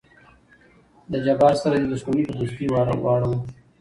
د جبار سره دې دښمني په دوستي واړو.